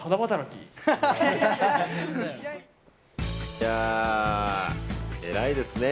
いや、偉いですね。